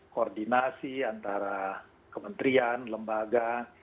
koordinasi antara kementerian lembaga